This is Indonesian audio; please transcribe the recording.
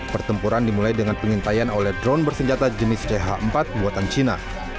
pertempuran dimulai dengan pengintaian oleh drone bersenjata jenis ch empat buatan cina